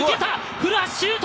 古橋シュート！